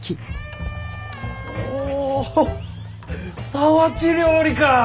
皿鉢料理か！